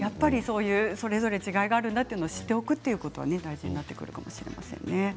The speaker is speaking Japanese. それぞれ違いがあるんだというのを知っておくということが大事になってくるかもしれませんね。